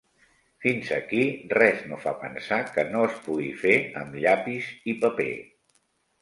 Fins aquí res no fa pensar que no es pugui fer amb llapis i paper.